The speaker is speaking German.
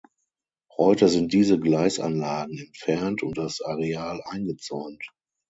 Heute sind diese Gleisanlagen entfernt und das Areal eingezäunt.